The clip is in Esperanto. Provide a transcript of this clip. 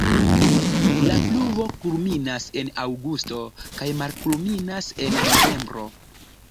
La pluvo kulminas en aŭgusto kaj malkulminas en novembro.